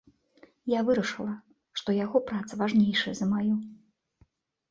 Я вырашыла, што яго праца важнейшая за маю.